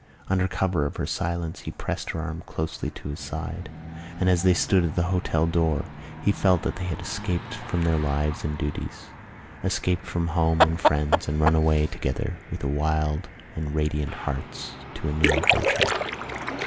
Under cover of her silence he pressed her arm closely to his side; and, as they stood at the hotel door, he felt that they had escaped from their lives and duties, escaped from home and friends and run away together with wild and radiant hearts to a new adventure.